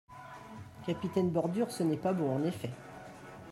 Capitaine Bordure Ce n’est pas bon, en effet.